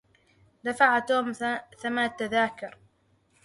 دفع توم ثمن التذاكر.